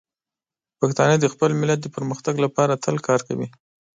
پښتانه د خپل ملت د پرمختګ لپاره تل کار کوي.